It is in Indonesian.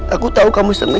aku tau kamu sering